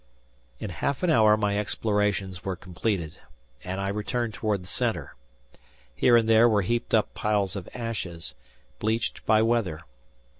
In half an hour my explorations were completed and I returned toward the center. Here and there were heaped up piles of ashes, bleached by weather.